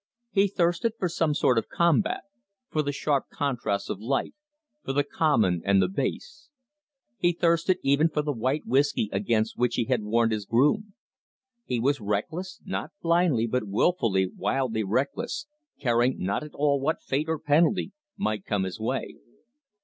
He thirsted for some sort of combat, for the sharp contrasts of life, for the common and the base; he thirsted even for the white whiskey against which he had warned his groom. He was reckless not blindly, but wilfully, wildly reckless, caring not at all what fate or penalty might come his way.